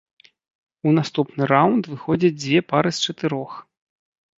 У наступны раўнд выходзяць дзве пары з чатырох.